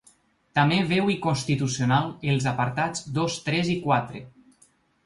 També veu inconstitucional els apartats dos, tres i quatre.